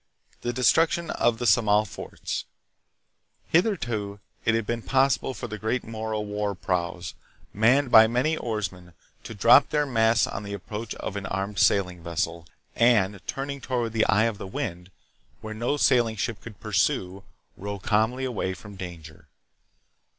The Destruction of the Samal Forts. Hitherto it had been possible for the great Moro war praus, manned by many oarsmen, to drop their masts on the approach of an armed sailing vessel, and, turning toward the "eye of the wind," where no sailing ship could pursue, row calmly away from danger.